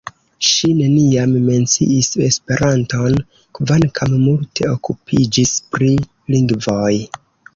Ŝi neniam menciis Esperanton, kvankam multe okupiĝis pri lingvoj.